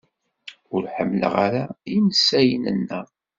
Ur ḥemmleɣ ara insayen-nneɣ.